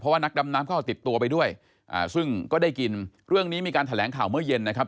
ว่านักดำน้ำเขาเอาติดตัวไปด้วยอ่าซึ่งก็ได้กินเรื่องนี้มีการแถลงข่าวเมื่อเย็นนะครับ